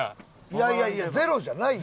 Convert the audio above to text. いやいやいやゼロじゃないよ。